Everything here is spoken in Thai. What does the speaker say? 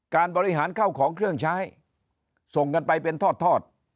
การบริหารเข้าของเครื่องใช้ส่งกันไปเป็นทอด